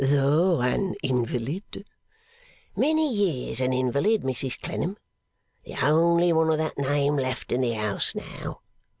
'Though an invalid?' 'Many years an invalid. Mrs Clennam. The only one of that name left in the House now.